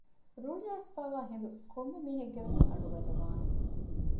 ރުޅިއައިސްފައިވާ ހިނދު ކޮންމެ މީހެއްގެވެސް އަޑު ގަދަވާނެ